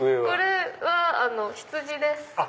これは羊です。